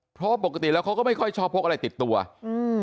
เพราะปกติแล้วเขาก็ไม่ค่อยชอบพกอะไรติดตัวอืม